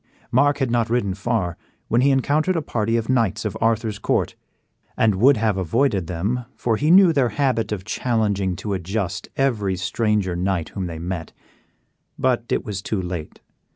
Mark had not ridden far when he encountered a party of knights of Arthur's court, and would have avoided them, for he knew their habit of challenging to a just every stranger knight whom they met. But it was too late.